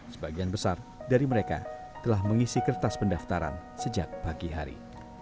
sebagian besar dari mereka telah mengisi kertas pendaftaran sejak pagi hari